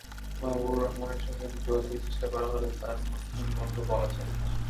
মাহাবুবুর রহমানের সঙ্গে যোগাযোগের চেষ্টা করা হলে তাঁর মুঠোফোন বন্ধ পাওয়া যায়।